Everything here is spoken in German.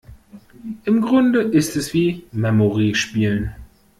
Im Grunde ist es wie Memory spielen.